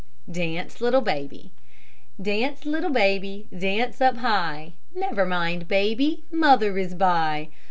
DANCE, LITTLE BABY Dance, little Baby, dance up high! Never mind, Baby, Mother is by.